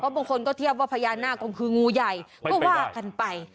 บางคนก็เทียบว่าพญานาคก็คืองูใหญ่ก็ว่ากันไป